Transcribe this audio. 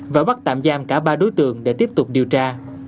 và bắt tạm giam cả ba đối tượng để tiếp tục điều tra